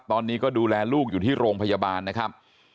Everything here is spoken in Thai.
ตอนนี้ก็ดูแลลูกอยู่ที่โรงพยาบาลนะครับ